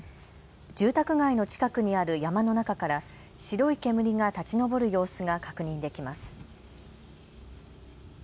住宅街の近くにある山の中から白い煙が立ち上る様子が確認できます。